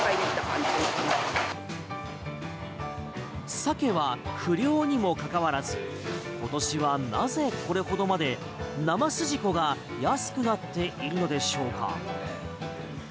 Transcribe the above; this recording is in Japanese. サケは不漁にも関わらず今年はなぜこれほどまで生すじこが安くなっているのでしょうか？